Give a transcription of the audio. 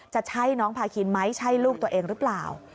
จะใช่น้องพาคินไหมใช่ลูกตัวเองหรือเปล่า